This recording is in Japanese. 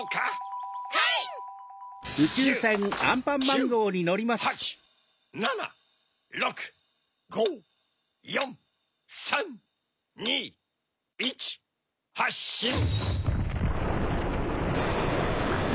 １０・９・８・７・６・５４・３・２・１はっしん！